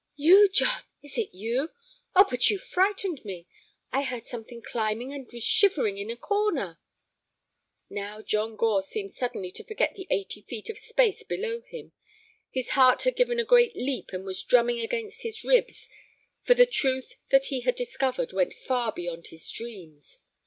"You, John! is it you? Oh, but you frightened me! I heard something climbing, and was shivering in a corner." Now John Gore seemed suddenly to forget the eighty feet of space below him. His heart had given a great leap and was drumming against his ribs, for the truth that he had discovered went far beyond his dreams.